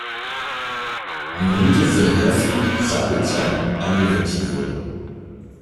Minute für Herfried Sabitzer eingewechselt wurde.